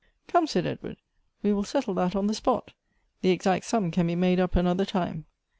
" Come," said Edward, " we will settle that on the spot. The ex.act sum can be made up another time."